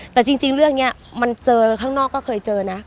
แต่จริงเรื่องนี้มันเจอข้างนอกก็เคยเจอนะ